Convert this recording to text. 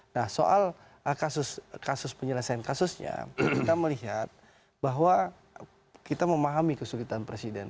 nah soal kasus penyelesaian kasusnya kita melihat bahwa kita memahami kesulitan presiden